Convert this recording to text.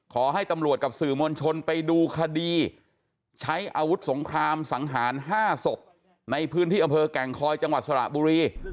ขอให้ตำรวจกับสื่อมวลชนไปดูคดีใช้อาวุธสงครามสังหาร๕ศพในพื้นที่อำเภอแก่งคอยจังหวัดสระบุรี